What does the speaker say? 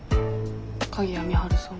鍵谷美晴さん。